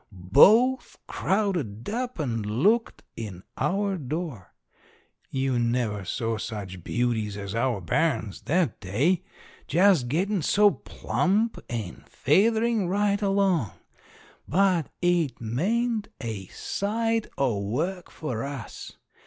Both crowded up and looked in our door. You never saw such beauties as our bairns that day. Just gettin' so plump and featherin' right along. But it meant a sight o' work for us.